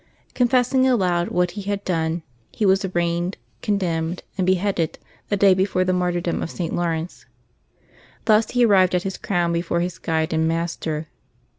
Confessing aloud what he had done, he was arraigned, condemned, and beheaded the day before the martyrdom of St. Laurence. Thus he arrived at his crown before his guide and master.